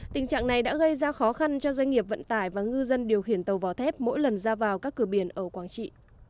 tình trạng này đã gây ra khó khăn cho doanh nghiệp vận tải và ngư dân điều khiển tàu vỏ thép mỗi lần ra vào các cửa biển ở quảng trị